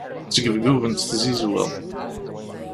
Ttgebgubent tzizwa.